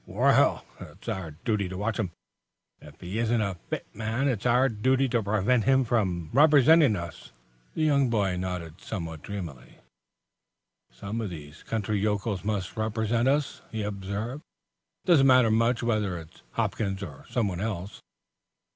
"Well, it's our duty to watch him. If he isn't a fit man it's our duty to prevent him from representing us." The young man nodded somewhat dreamily. "Some of these country yokels must represent us," he observed. "It doesn't matter much whether it's Hopkins or someone else."